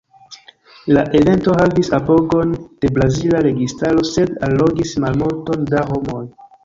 La evento havis apogon de brazila registaro, sed allogis malmulton da homoj.